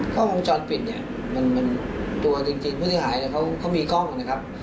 กล้องวงจรปิดเนี่ยมันตัวจริงพฤษภายเขามีกล้องนะครับ